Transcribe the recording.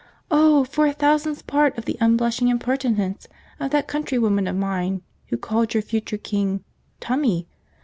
Oh for a thousandth part of the unblushing impertinence of that countrywoman of mine who called your future king 'Tummy'!